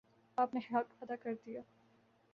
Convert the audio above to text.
آپ نے حق ادا کر دیا